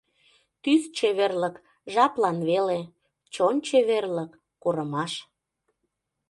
Тӱс чеверлык — жаплан веле, Чон чеверлык — курымаш.